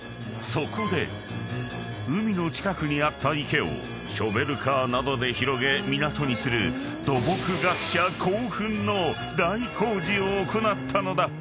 ［そこで海の近くにあった池をショベルカーなどで広げ港にする土木学者興奮の大工事を行ったのだ］